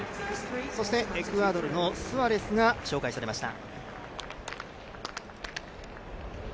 そしてエクアドルのスアレスが紹介されました。